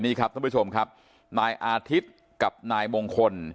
นี่ครับท่านผู้ชมครับนายอาทิตย์กับนายมงคล